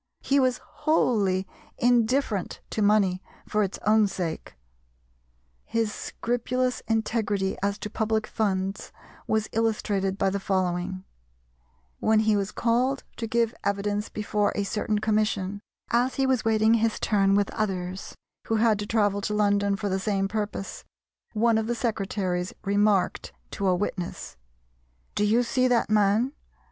He was wholly indifferent to money for its own sake. His scrupulous integrity as to public funds was illustrated by the following: When he was called to give evidence before a certain commission, as he was waiting his turn with others who had to travel to London for the same purpose, one of the secretaries remarked to a witness, "Do you see that man?"